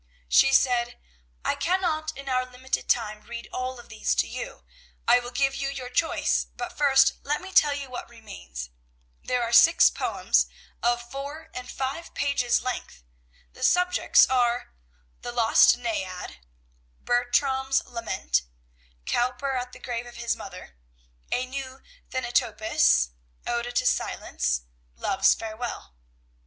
She said, "I cannot, in our limited time, read all of these to you. I will give you your choice, but first, let me tell you what remains. There are six poems of four and five pages length. The subjects are: "The Lost Naiad; Bertram's Lament; Cowper at the Grave of His Mother; A New Thanatopsis; Ode to Silence; Love's Farewell.